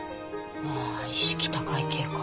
あ意識高い系か。